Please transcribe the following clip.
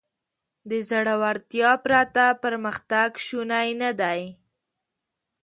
له زړهورتیا پرته پرمختګ شونی نهدی.